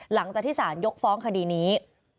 หลังจากที่สารยกฟ้องคดีนี้